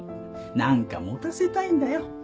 何か持たせたいんだよ。